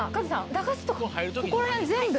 駄菓子とかここら辺全部。